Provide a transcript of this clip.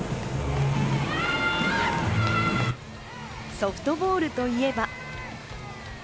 ソフトボールといえば。